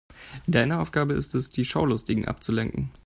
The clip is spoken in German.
Deine Aufgabe ist es, die Schaulustigen abzulenken.